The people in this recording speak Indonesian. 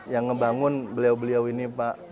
yang ngebangun beliau beliau ini pak